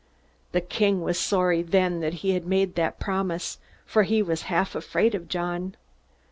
The king was sorry then that he had made that promise, for he was half afraid of John.